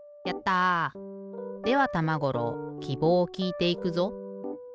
やった！ではたまごろうきぼうをきいていくぞ。